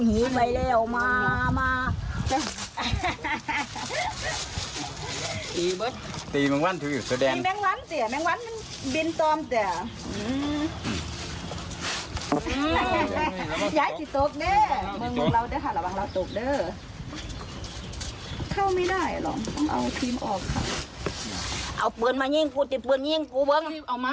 อีเบิ๊ดตีแม่งวันถึงอยู่สดแดน